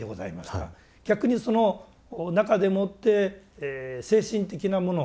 逆にその中でもって精神的なもの